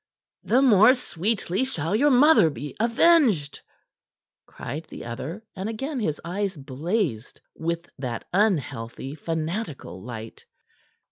"The more sweetly shall your mother be avenged," cried the other, and again his eyes blazed with that unhealthy, fanatical light.